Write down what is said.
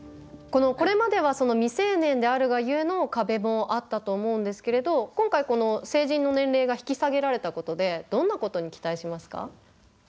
これまでは未成年であるがゆえの壁もあったと思うんですけれど今回この成人の年齢が引き下げられたことでどんなことに期待しますか？